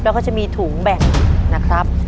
แล้วก็จะมีถุงแบ่งนะครับ